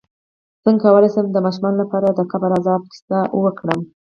څنګه کولی شم د ماشومانو لپاره د قبر عذاب کیسه وکړم